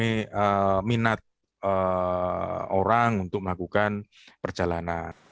ini minat orang untuk melakukan perjalanan